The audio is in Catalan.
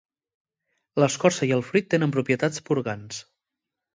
L'escorça i el fruit tenen propietats purgants.